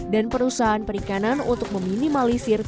dan perusahaan perikanan untuk meminimalisir